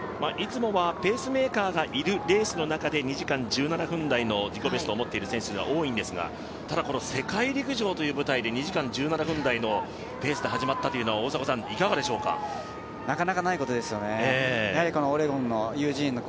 いつもはペースメーカーがいるレースの中で２時間１７分台の自己ベストを持っている選手が多いんですがただこの世界陸上という舞台で２時間１７分台のペースで始まったというのは大迫さん、いかがでしょうか。